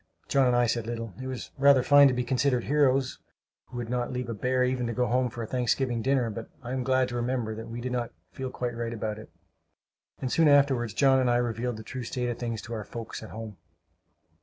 John and I said little. It was rather fine to be considered heroes, who would not leave a bear even to go home to a Thanksgiving dinner; but I am glad to remember that we did not feel quite right about it; and soon afterward John and I revealed the true state of things to our folks at home.